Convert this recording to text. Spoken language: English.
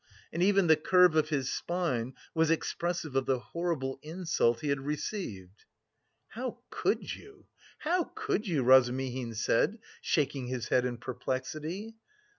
And even the curve of his spine was expressive of the horrible insult he had received. "How could you how could you!" Razumihin said, shaking his head in perplexity.